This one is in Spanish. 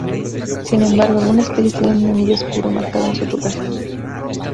Sin embargo, algunas especies tienen un anillo oscuro marcado en su lugar.